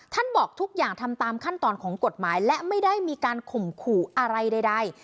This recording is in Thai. บอกทุกอย่างทำตามขั้นตอนของกฎหมายและไม่ได้มีการข่มขู่อะไรใด